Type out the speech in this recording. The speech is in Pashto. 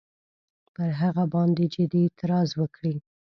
پر هغه باندي جدي اعتراض وکړي.